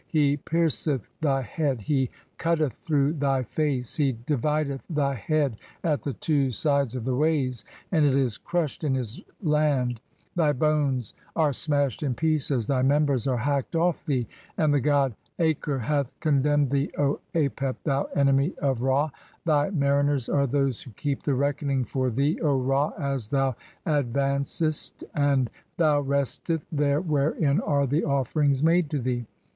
[He] pierceth [thy] head, [he] "cutteth through thy face, [he] divideth [thy] head at the two "sides of the ways, and it is crushed in his land ; thy bones "are smashed in pieces, thy members are hacked off thee, and "the god [A]ker hath condemned (i3) thee, O Apep, thou enemv go THE CHAPTERS OF COMING FORTH BY DAY. 'of Ra ! Thy mariners are those who keep the reckoning for 'thee, [O Ra, as thou] advancest, and thou restest there wherein 'are the offerings made to thee.